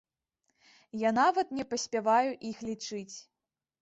Я нават не паспяваю іх лічыць.